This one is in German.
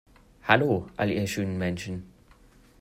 Hallo, all ihr schönen Menschen.